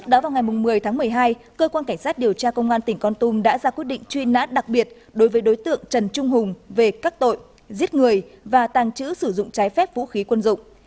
cảnh sát điều tra công an tỉnh con tum đã ra quyết định truy nát đặc biệt đối với đối tượng trần trung hùng về cắt tội giết người và tàng trữ sử dụng trái phép vũ khí quân dụng